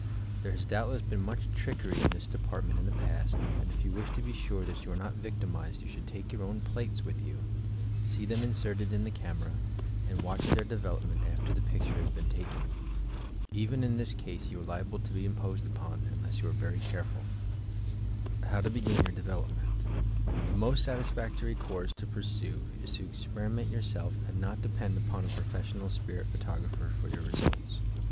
There has doubtless been much trickery in this department in the past, and if you wish to be sure that you are not victimized you should take your own plates with you, see them inserted in the camera and watch their development after the picture has been taken. Even in this case you are liable to be imposed npoD, unless you are very careful. HOVr TO BEGIN YOUB DEVELOPMENT The most satisfactory coiirse to pursue is to experi ment yourself and not depend upon a professional spirit 336 YOUR PSYCHIC POWERS photographer for your results.